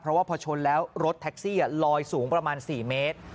เพราะว่าพอชนแล้วรถแท็กซี่ลอยสูงประมาณ๔เมตร